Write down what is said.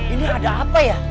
ini ada apa ya